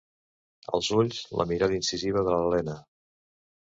Els ulls, la mirada incisiva de l'Elena.